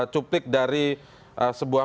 cuplik dari sebuah